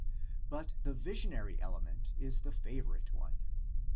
But the visionary element is the "favorite one.